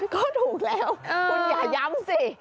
ก็ถูกแล้วคุณอย่าย้ำสิ